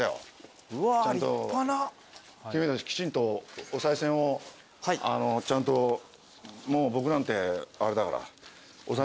ちゃんと君たちきちんとおさい銭をちゃんともう僕なんてあれだから。